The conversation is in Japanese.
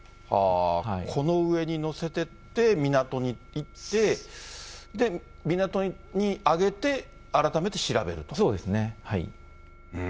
この上に載せてって、港に行って、で、港にあげて、そうですね。